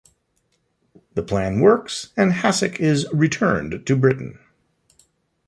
The plan works, and Hasek is "returned" to Britain.